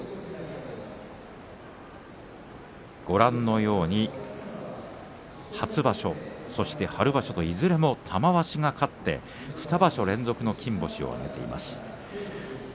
ご覧のように初場所、春場所といずれも玉鷲が勝って２場所連続の金星を挙げています。